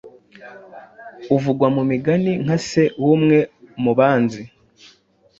uvugwa mu migani nka se wumwe mu banzi